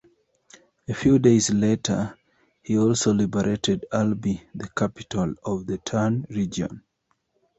A few days later, he also liberated Albi, the capital of the Tarn region.